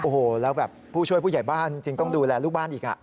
โอ้โหแล้วแบบผู้ช่วยผู้ใหญ่บ้านจริงต้องดูแลลูกบ้านอีก